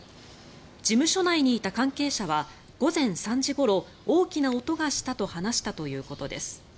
事務所内にいた関係者は午前３時ごろ大きな音がしたと話したということです。